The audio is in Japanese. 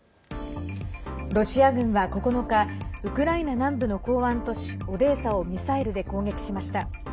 ロシア軍は９日ウクライナ南部の港湾都市オデーサをミサイルで攻撃しました。